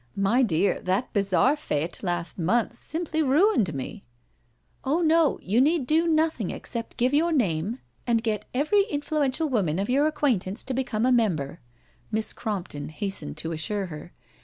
My dear, that bazaar {£te last month simply ruined met*' " Oh no, you need do nothing except give your name and get every influential woman of your acquaint ance to become a member," Miss Crompton hastened to assure her.